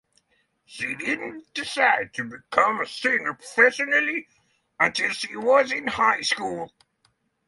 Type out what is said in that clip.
She didn't decide to become a singer professionally until she was in high school.